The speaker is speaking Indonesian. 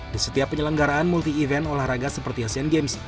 di setiap penyelenggaraan multi event olahraga seperti asian games